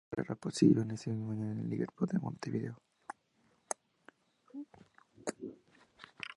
Finalmente las conversaciones fueron interrumpidas.